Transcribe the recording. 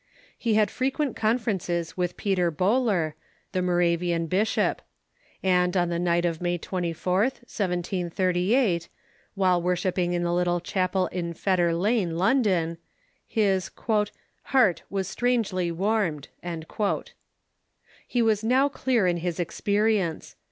He had frequent con ferences with Peter Boehler, the Moravian bishop ; and on the night of May 24th, 1738, while worshipping in the little chapel in Fetter Lane, London, his " heart was strangely warmed." He was now clear in his experience.